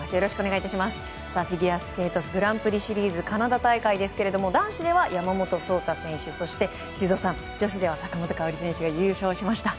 フィギュアスケートグランプリシリーズカナダ大会ですが男子では山本草太選手そして修造さん、女子では坂本花織選手が優勝しました。